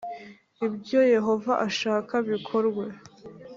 ibyo Yehova ashaka bikorwe